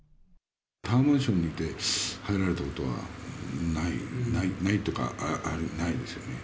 タワーマンションにいて、入られたことはない、ないというか、ないですよね。